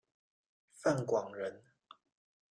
范广人。